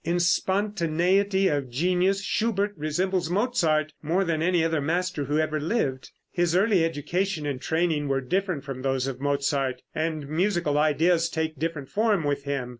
In spontaneity of genius Schubert resembles Mozart more than any other master who ever lived. His early education and training were different from those of Mozart, and musical ideas take different form with him.